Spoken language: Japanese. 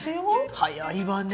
早いわね！